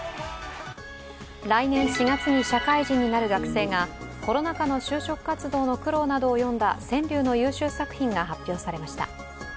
来年４月に社会人になる学生がコロナ禍の就職活動の苦労などを詠んだ川柳の優秀作品が発表されました。